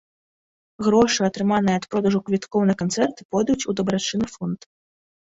Грошы, атрыманыя ад продажу квіткоў на канцэрты, пойдуць у дабрачынны фонд.